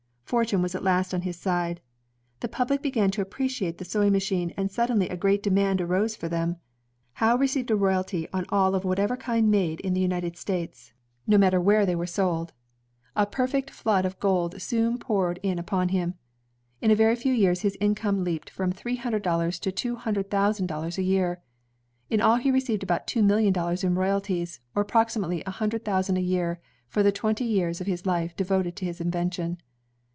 Fortune was at last on his side. The public began to appreciate the sewing machine and suddenly a great demand arose for them. Howe received a royalty on all of whatever kind made ELIAS HOWE 141 in the United States, no matter where they were sold. A perfect flood of gold soon poured in upon him. In a very few years his income leaped from three hundred dollars to two hundred thousand dollars a year. In all he received about two million dollars in royalties, or ap proximately a hundred thousand a year, for the twenty years of his life devoted to his invention.